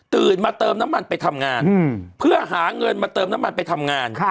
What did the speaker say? มาเติมน้ำมันไปทำงานเพื่อหาเงินมาเติมน้ำมันไปทำงาน